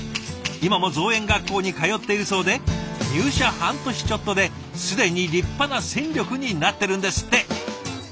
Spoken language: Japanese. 今も造園学校に通っているそうで入社半年ちょっとで既に立派な戦力になってるんですって。